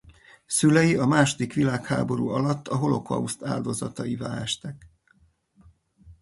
Szülei a második világháború alatt a holokauszt áldozataivá estek.